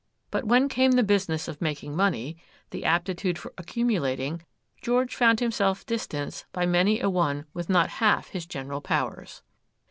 But when came the business of making money, the aptitude for accumulating, George found himself distanced by many a one with not half his general powers.